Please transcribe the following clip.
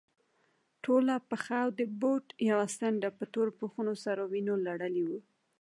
ټوله پښه او د بوټ يوه څنډه په توربخونو سرو وينو لړلې وه.